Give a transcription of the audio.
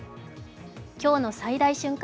今日の最大瞬間